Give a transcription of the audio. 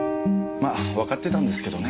まあわかってたんですけどね。